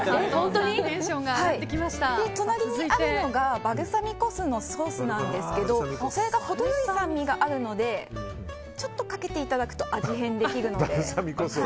隣にあるのがバルサミコ酢のソースなんですがそれが程良い酸味があるのでちょっとかけていただくと味変できるので。